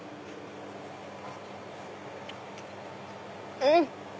うん！